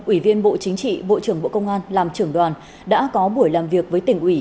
ủy viên bộ chính trị bộ trưởng bộ công an làm trưởng đoàn đã có buổi làm việc với tỉnh ủy